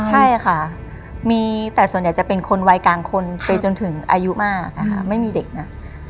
ใช่ค่ะมีแต่ส่วนใหญ่จะเป็นคนวัยกลางคนไปจนถึงอายุมากนะคะไม่มีเด็กนะ